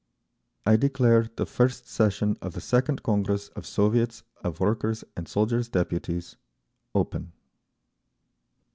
"I declare the first session of the Second Congress of Soviets of Workers' and Soldiers' Deputies open!"